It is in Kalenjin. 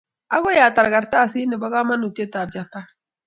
agoi atar karatasit nebo kamanutiwtab Japan